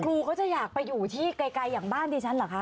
ครูเขาจะอยากไปอยู่ที่ไกลอย่างบ้านดิฉันเหรอคะ